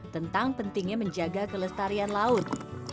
tentang pentingnya menjaga kelestarian laut